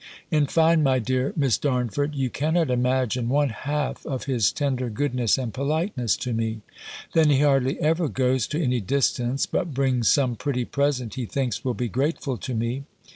In fine, my dear Miss Darnford, you cannot imagine one half of his tender goodness and politeness to me! Then he hardly ever goes to any distance, but brings some pretty present he thinks will be grateful to me.